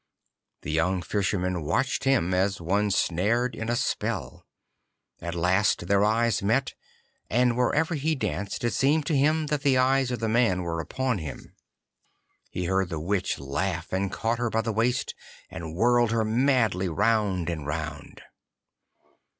The young Fisherman watched him, as one snared in a spell. At last their eyes met, and wherever he danced it seemed to him that the eyes of the man were upon him. He heard the Witch laugh, and caught her by the waist, and whirled her madly round and round.